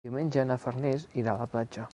Diumenge na Farners irà a la platja.